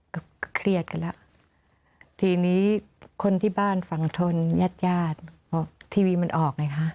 ก็เครียดกันแล้วทีนี้คนที่บ้านฝั่งทนญาติญาติทีวีมันออกไงคะ